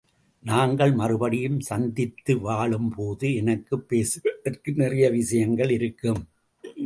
நாங்கள் மறுபடியும் சந்தித்து வாழும் போது எனக்குப் பேசுவதற்கு நிறைய விஷயங்கள் இருக்கும்.